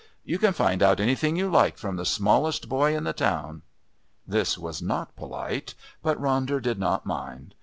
"You can find out anything you like from the smallest boy in the town." This was not polite, but Ronder did not mind.